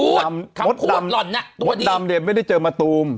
คำพูดหล่อนน่ะตัวดีมดดำเนี่ยไม่ได้เจอมะตูม